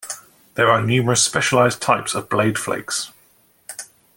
There are numerous specialized types of blade flakes.